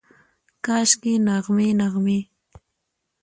کاشکي، نغمې، نغمې